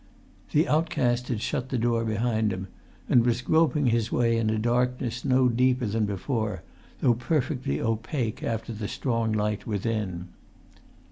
The outcast had shut the door behind him, and was groping his way in a darkness no deeper than[Pg 200] before, though perfectly opaque after the strong light within.